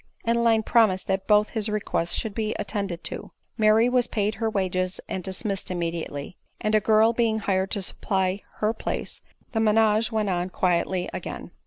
Adeline promised that both his requests should be at tended to. Mary was paid her wages and dismissed im mediately ; and a girl being hired to supply her place, the menage went on quietly again.